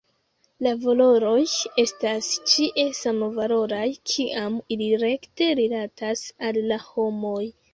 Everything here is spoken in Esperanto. La valoroj estas ĉie samvaloraj kiam ili rekte rilatas al la homoj.